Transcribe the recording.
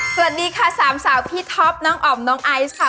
สวัสดีค่ะสามสาวพี่ท็อปน้องอ๋อมน้องไอซ์ค่ะ